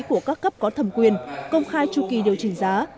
của các cấp có thầm quyền công khai chu kỳ điều chỉnh giá